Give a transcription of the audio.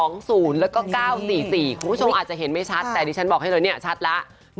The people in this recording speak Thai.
คุณผู้ชมอาจจะเห็นไม่ชัดแต่ดิฉันบอกให้เลยเนี่ยชัดแล้ว